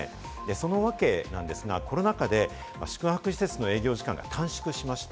その訳なんですが、コロナ禍で宿泊施設の営業時間が短縮しました。